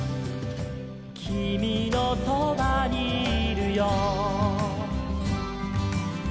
「きみのそばにいるよ」